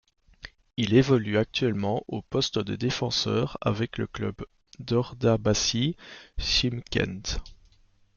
Il évolue actuellement au poste de défenseur avec le club de l'Ordabasy Chymkent.